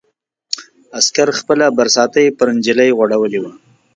عسکر خپله برساتۍ پر نجلۍ غوړولې وه.